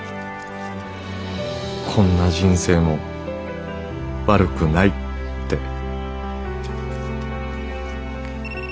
「こんな人生も悪くないって」。